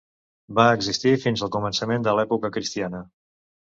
Va existir fins al començament de l'època cristiana.